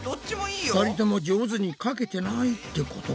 ２人とも上手にかけてないってことか？